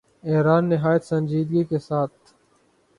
ایران نہایت سنجیدگی کے ساتھ